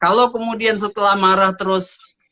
kalau kemudian setelah marah p rampari wacana publik juga menepi